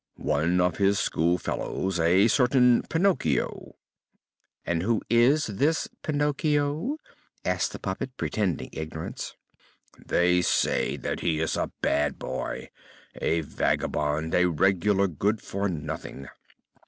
"One of his school fellows, a certain Pinocchio." "And who is this Pinocchio?" asked the puppet, pretending ignorance. "They say that he is a bad boy, a vagabond, a regular good for nothing."